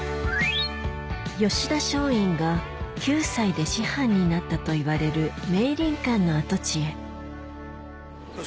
吉田松陰が９歳で師範になったといわれる明倫館の跡地へえっ。